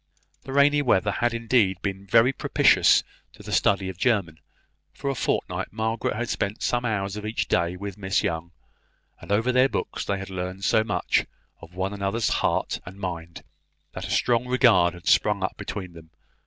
The rainy weather had indeed been very propitious to the study of German. For a fortnight Margaret had spent some hours of each day with Miss Young; and over their books they had learned so much of one another's heart and mind, that a strong regard had sprung up between them.